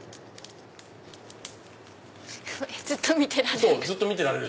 ずっと見てられる。